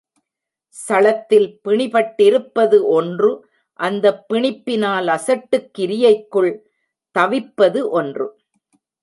சளத்தில் பிணிபட்டிருப்பது ஒன்று அந்தப் பிணிப்பினால் அசட்டுக் கிரியைக்குள் தவிப்பது ஒன்று.